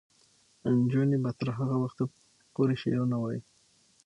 نجونې به تر هغه وخته پورې شعرونه وايي.